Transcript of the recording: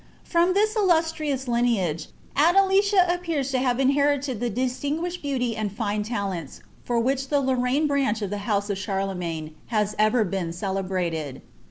From this ilhislrious lineage Adelicia appears to have inlieriied lb* distinguished beauty and fine talents for which the Lorraine btmocb of Ihe house of Cliarlemaene has ever been celebmied.